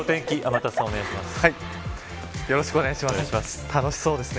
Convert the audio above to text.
よろしくお願いします。